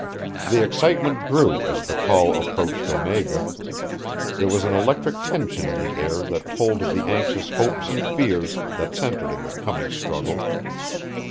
The excitement grew as the call approached Omega. There was an electric tension in the air that told of the anxious hopes and fears that centered in the coming struggle.